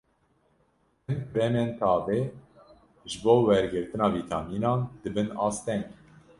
Hin kremên tavê ji bo wergirtina vîtamînan dibin asteng.